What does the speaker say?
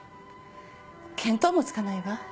見当もつかないわ。